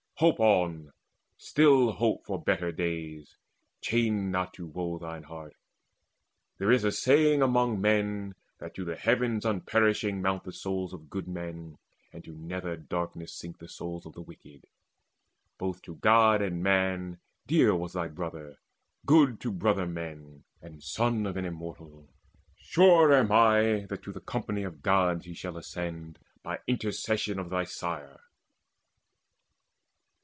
Hope on, Still hope for better days: chain not to woe Thine heart. There is a saying among men That to the heavens unperishing mount the souls Of good men, and to nether darkness sink Souls of the wicked. Both to God and man Dear was thy brother, good to brother men, And son of an Immortal. Sure am I That to the company of Gods shall he Ascend, by intercession of thy sire."